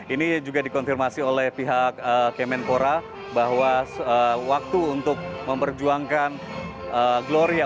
ini juga dikonfirmasi oleh pihak kemenpora bahwa waktu untuk memperjuangkan gloria